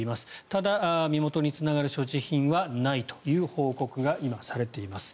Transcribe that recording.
ただ、身元につながる所持品はないという報告が今、されています。